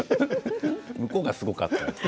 向こうが、すごかった。